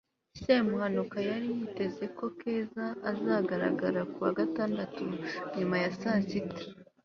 semuhanuka yari yiteze ko keza azagaragara ku wa gatandatu nyuma ya saa sita